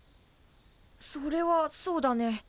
それはそうだね。